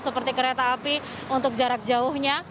seperti kereta api untuk jarak jauhnya